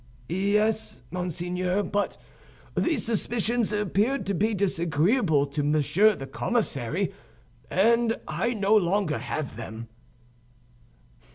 "Yes, monseigneur; but these suspicions appeared to be disagreeable to Monsieur the Commissary, and I no longer have them."